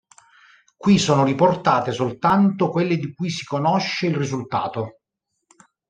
Qui sono riportate soltanto quelle di cui si conosce il risultato.